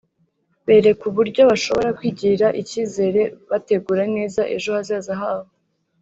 berekwa uburyo bashobora kwigirira icyizere bategura neza ejo hazaza habo